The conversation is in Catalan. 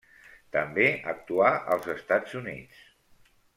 També actuà als Estats Units.